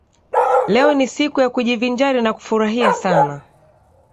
Leo ni siku ya kujivinjari na kufurahia sana.